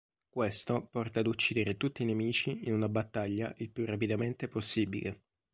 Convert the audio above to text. Questo porta ad uccidere tutti i nemici in una battaglia il più rapidamente possibile.